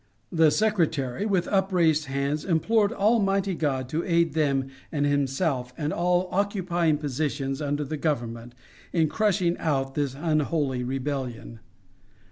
The Secretary, with upraised hands, implored Almighty God to aid them and himself, and all occupying positions under the Government, in crushing out this unholy rebellion."